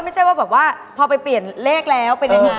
ไม่ใช่ว่าแบบว่าพอไปเปลี่ยนเลขแล้วเป็นยังไง